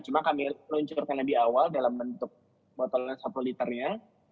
cuma kami luncurkan lebih awal dalam bentuk botol satu liternya